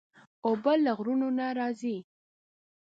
اوبه له غرونو نه راځي.